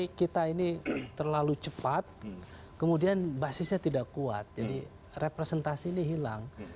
jadi kita ini terlalu cepat kemudian basisnya tidak kuat jadi representasi ini hilang